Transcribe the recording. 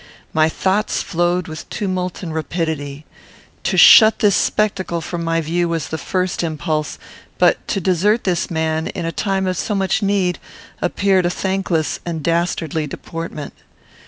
My thoughts flowed with tumult and rapidity. To shut this spectacle from my view was the first impulse; but to desert this man, in a time of so much need, appeared a thankless and dastardly deportment.